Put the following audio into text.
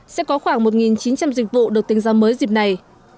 sẽ có khoảng một chín trăm linh dịch vụ được tính ra mới dịp này